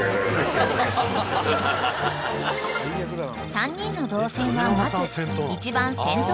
［３人の動線はまず一番先頭で入場］